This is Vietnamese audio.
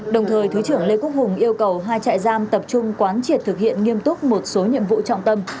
đồng thời thứ trưởng lê quốc hùng yêu cầu hai trại giam tập trung quán triệt thực hiện nghiêm túc một số nhiệm vụ trọng tâm